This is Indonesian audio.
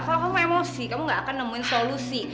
kalau kamu emosi kamu gak akan nemuin solusi